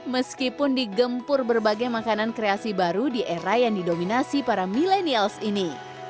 meskipun digempur berbagai makanan kreasi baru di era yang didominasi para milenials ini